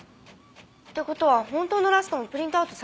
って事は本当のラストもプリントアウトされてたんだ。